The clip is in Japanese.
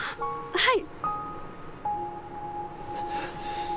はい。